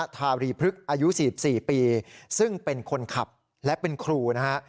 ทารีพฤกษ์อายุ๔๔ปีซึ่งเป็นคนขับและเป็นครูนะฮะ